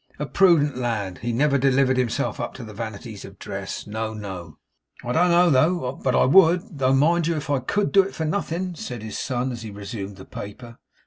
'A prudent lad! He never delivered himself up to the vanities of dress. No, no!' 'I don't know but I would, though, mind you, if I could do it for nothing,' said his son, as he resumed the paper.